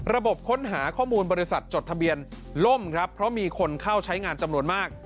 ระบบค้นหาข้อมูลบริษัทจดทะเบียนล่มครับเพราะมีคนเข้าใช้งานจำนวนมาก